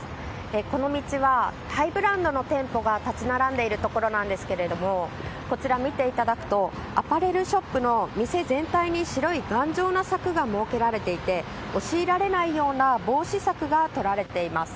この道はハイブランドの店舗が立ち並んでいるところなんですがこちら、見ていただくとアパレルショップの店全体に白い頑丈な柵が設けられていて押し入られないような防止策がとられています。